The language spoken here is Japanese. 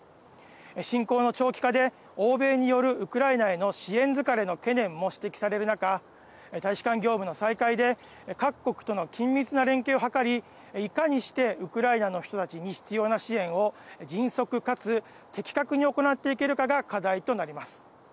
侵攻の長期化で欧米によるウクライナへの支援疲れの懸念も指摘される中大使館業務の再開で各国との緊密な連携を図りいかにしてウクライナの人たちに必要な支援を迅速かつ、的確に行っていけるかが課題となります。